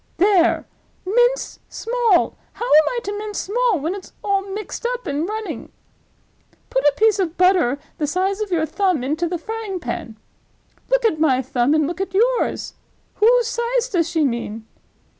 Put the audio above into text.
'—There! mince small! How am I to mince small when it's all mixed up and running? 'Put a piece of butter the size of your thumb into the frying pan.'—Look at my thumb, and look at yours! whose size does she mean?